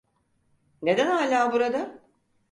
Neden hala burada?